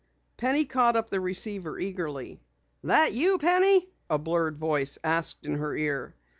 Penny caught up the receiver eagerly. "That you, Penny?" a blurred voice asked in her ear.